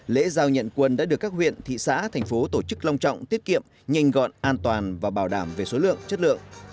lễ giao nhận quân đã được các huyện thị xã thành phố tổ chức long trọng tiết kiệm nhanh gọn an toàn và bảo đảm về số lượng chất lượng